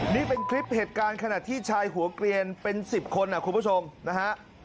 นี่เป็นคลิปเหตุการณ์ขณะที่ชายหัวเกลียนเป็น๑๐คนนะคุณผู้ชมนะฮะ